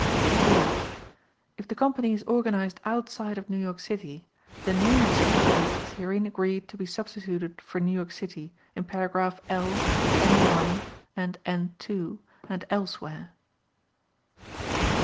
(3) If the company is organized outside of New York City, the name of such place is herein agreed to be substituted for New York City in Paragraph L, N 1 and N 2 and elsewhere.